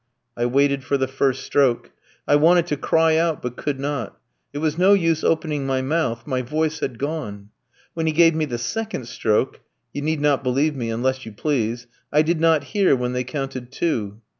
I waited for the first stroke. I wanted to cry out, but could not. It was no use opening my mouth, my voice had gone. When he gave me the second stroke you need not believe me unless you please I did not hear when they counted two.